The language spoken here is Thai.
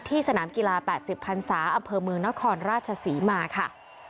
ที่สนามกีฬา๘๐พันศาอมนราชสีมาค่ะ